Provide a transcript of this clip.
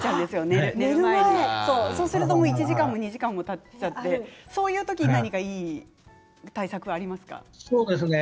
夜寝る前にそうすると１時間も２時間もたっちゃってそういう時に何かいい対策はありますか。